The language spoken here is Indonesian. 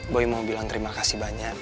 boy mau bilang terima kasih banyak